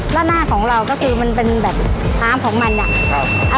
ร้านหน้าของเราก็คือมันเป็นแบบความของมันอ่ะ